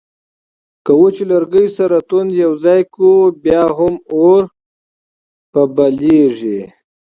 که وچو لرګیو سره توند یو ځای کړو بیا هم اور په بلول کیږي